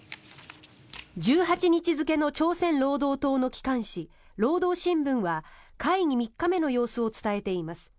１８日付の朝鮮労働党の機関紙労働新聞は会議３日目の様子を伝えています。